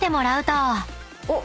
おっ！